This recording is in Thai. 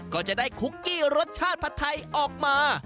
ก็จะได้คุกกี้รสชาติผัดไทยออกมา